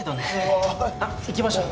あっ行きましょう。